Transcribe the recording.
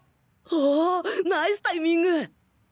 お！ナイスタイミング！